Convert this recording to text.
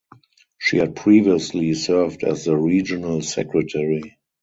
She had previously served as the regional secretary.